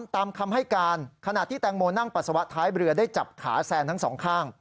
ตามคำให้การขณะที่แตงโมนั่งปัสสาวะท้ายเรือได้จับขาแซนทั้งสองข้าง